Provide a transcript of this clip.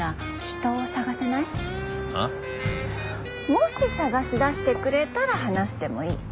もし捜し出してくれたら話してもいい。